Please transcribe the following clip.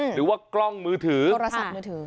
หรือว่ากล้องมือถือโทรศัพท์มือถือ